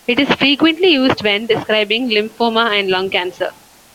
It is frequently used when describing lymphoma and lung cancer.